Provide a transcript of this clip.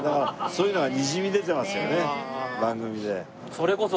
番組で。